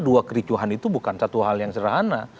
dua kericuhan itu bukan satu hal yang sederhana